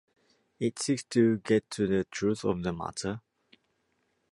It seeks to get to the truth of the matter.